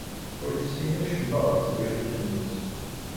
Ur tessin acemma ɣef twacult-nnes.